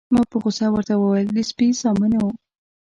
ما په غوسه ورته وویل: د سپي زامنو.